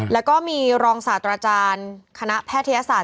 แล้วก็มีรองศาสตราจารย์คณะแพทยศาสต